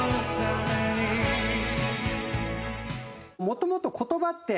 もともと言葉って。